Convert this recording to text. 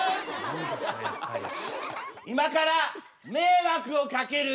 今から迷惑をかけるよ！